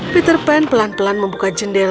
peter pan pelan pelan membuka jendela